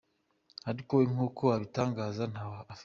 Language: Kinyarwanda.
Ariko we nk’uko abitangaza, ntawe afite.